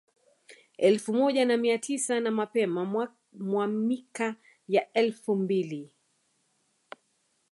Elfu moja na mia tisa na mapema mwa mika ya elfu mbili